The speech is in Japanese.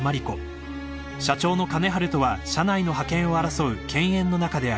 ［社長の金治とは社内の覇権を争う犬猿の仲である］